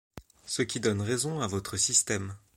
Ce qui donne raison à votre système.